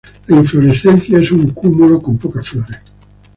La inflorescencia es un cúmulo con pocas flores.